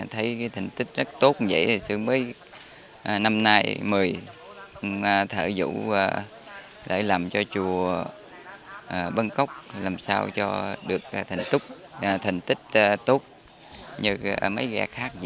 thấy cái thành tích rất tốt như vậy thì sư mới năm nay mời thợ vũ để làm cho chùa bân cốc làm sao cho được thành tích tốt như mấy ghe khác